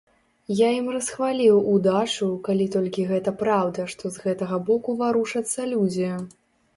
Я ім расхваліў удачу, калі толькі гэта праўда, што з гэтага боку варушацца людзі.